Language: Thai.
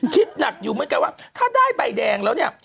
คิดหนักอยู่เหมือนกันว่าถ้าได้ใบแดงแล้วเนี่ย